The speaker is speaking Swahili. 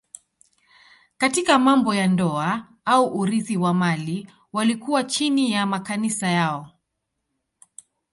Katika mambo ya ndoa au urithi wa mali walikuwa chini ya makanisa yao.